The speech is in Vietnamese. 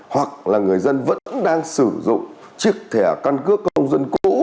hoặc là người dân vẫn đang sử dụng chiếc thẻ căn cước công dân cũ